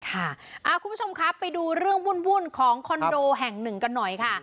คุณผู้ชมครับไปดูเรื่องวุ่นของคอนโดแห่งหนึ่งกันหน่อยค่ะ